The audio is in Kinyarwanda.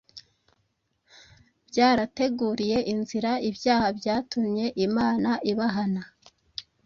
byarateguriye inzira ibyaha byatumye imana ibahana.